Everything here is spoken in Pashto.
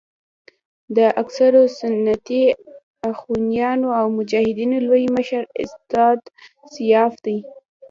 د اکثرو سنتي اخوانیانو او مجاهدینو لوی مشر استاد سیاف دی.